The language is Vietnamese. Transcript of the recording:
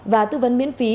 và tư vấn miễn phí